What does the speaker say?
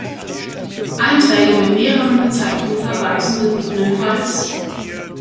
Einträge mit mehreren Bezeichnungen verweisen ggf.